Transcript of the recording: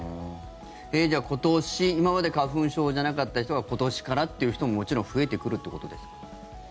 今年今まで花粉症じゃなかった人が今年からっていう人も、もちろん増えてくるってことですか？